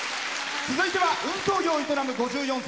続いては運送業を営む５４歳。